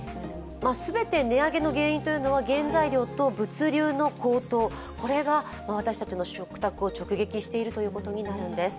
全て値上げの原因というのは原材料と物流の高騰、これが私たちの食卓を直撃しているということになるんです。